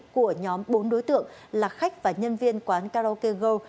của nhóm bốn đối tượng là khách và nhân viên quán karaoke go